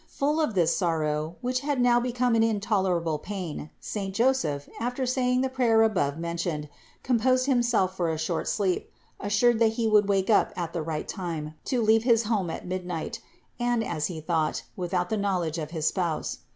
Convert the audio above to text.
399. Full of this sorrow, which had now become an intolerable pain, saint Joseph, after saying the prayer above mentioned, composed himself for a short sleep, assured that he would wake up at the right time to leave his home at midnight, and, as he thought, without the knowledge of his Spouse.